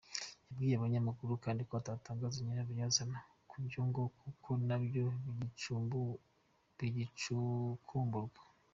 Yabwiye abanyamakuru kandi ko atatangaza nyir’abayazana wa byo ngo kuko nabyo bigicukumburwa.